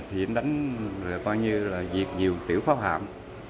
điện đánh đã việt nhiều tiểu pháo hạm